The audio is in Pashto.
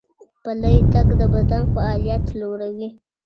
پلی تګ د بدن فعالیت لوړوي.